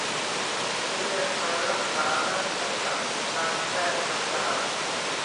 เพื่อแยกไปรักษาและจำกัดการแพร่กระจาย